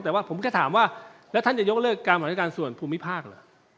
แต่ว่าผมแค่ถามว่าแล้วท่านจะยกเลิกการบริการส่วนภูมิภาคเหรอ